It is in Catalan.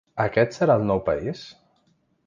Aquest serà el nou país?